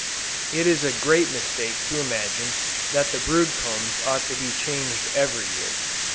It is a great mistake to imagine that the brood combs ought to be changed every year.